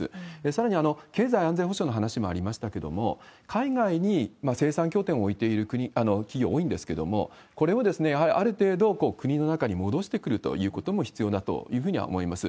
さらに、経済安全保障の話もありましたけれども、海外に生産拠点を置いている企業多いんですけれども、これをやはりある程度、国の中に戻してくるということも必要だというふうには思います。